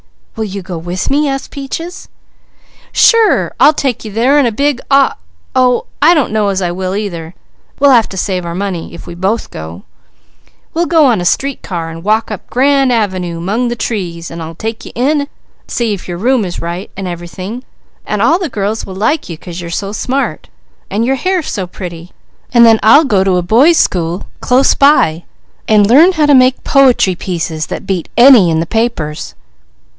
"Will you go with me?" asked Peaches. "Sure! I'll take you there in a big au Oh, I don't know as I will either. We'll have to save our money, if we both go. We'll go on a street car, and walk up a grand av'noo among trees, and I'll take you in, and see if your room is right, and everything, and all the girls will like you 'cause you're so smart, and your hair's so pretty, and then I'll go to a boys' school close by, and learn how to make poetry pieces that beat any in the papers.